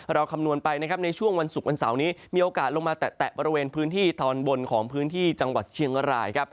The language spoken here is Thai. คำนวณไปนะครับในช่วงวันศุกร์วันเสาร์นี้มีโอกาสลงมาแตะบริเวณพื้นที่ตอนบนของพื้นที่จังหวัดเชียงรายครับ